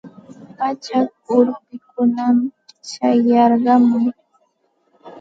Pachak urpikunam chayarqamun.